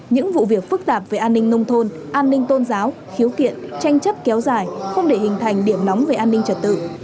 những vụ việc phức tạp về an ninh nông thôn an ninh tôn giáo khiếu kiện tranh chấp kéo dài không để hình thành điểm nóng về an ninh trật tự